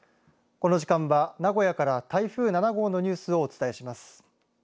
この時間は名古屋から台風７号のニュースをお伝えします。